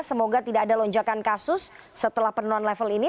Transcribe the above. semoga tidak ada lonjakan kasus setelah penurunan level ini